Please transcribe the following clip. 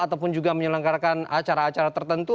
ataupun juga menyelenggarakan acara acara tertentu